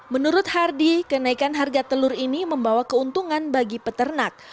menurut hardi kenaikan harga telur ini membawa keuntungan bagi peternak